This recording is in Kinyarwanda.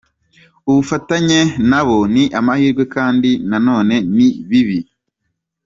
Ubufatanye nabo ni amahirwe kandi nanone ni bibi.